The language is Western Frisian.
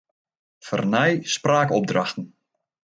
Fernij spraakopdrachten.